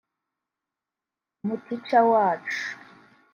Umutica wacu